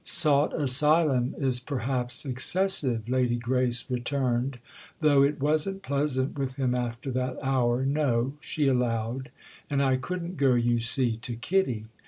"'Sought asylum' is perhaps excessive," Lady Grace returned—"though it wasn't pleasant with him after that hour, no," she allowed. "And I couldn't go, you see, to Kitty."